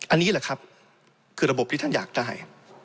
อันนี้แหละครับคือระบบที่ท่านอยากได้